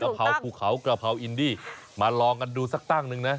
เพราภูเขากระเพราอินดี้มาลองกันดูสักตั้งหนึ่งนะ